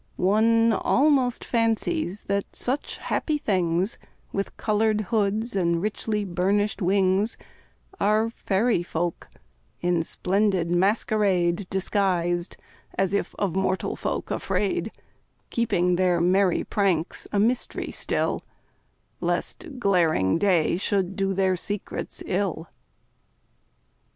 One almost fancies that such happy things, With coloured hoods and richly burnished wings, Are fairy folk, in splendid masquerade Disguised, as if of mortal folk afraid, Keeping their merry pranks a mystery still, Lest glaring day should do their secrets ill.